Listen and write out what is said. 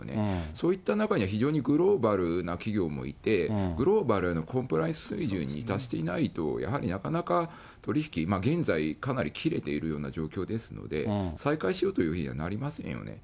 そういった中には非常にグローバルな企業もいて、グローバルのコンプライアンス水準に達していないと、やはりなかなか取り引き、現在かなり切れているような状況ですので、再開しようというふうにはなりませんよね。